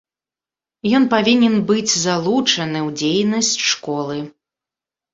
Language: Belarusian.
Ён павінен быць залучаны ў дзейнасць школы.